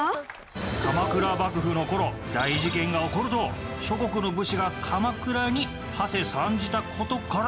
鎌倉幕府の頃大事件が起こると諸国の武士が鎌倉にはせ参じた事から生まれた言葉。